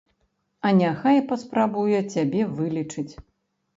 А няхай паспрабуе цябе вылечыць!